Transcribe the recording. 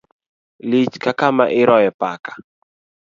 Lich ka kama iroye paka